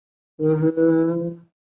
圣约尔因出产矿泉水而闻名。